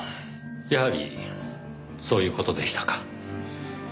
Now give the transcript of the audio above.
やはりそういう事でしたか。